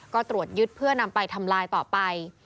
ก็ตรวจยึดเพื่อนำไปทำลายต่อไป